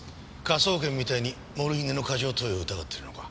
科捜研みたいにモルヒネの過剰投与を疑ってるのか？